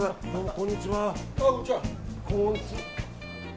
こんにちは。